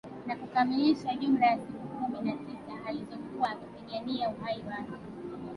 Na kukamiliaha jumla ya siku kumi na tisa alizokuwa akipigania uhai wake